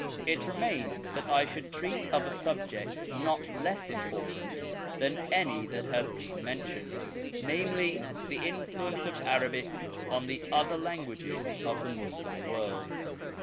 It remains that I should treat of a subject not less important thatf any that has been mentioned — ^namely, the influence of Arabic on the other languages of the Moslem world.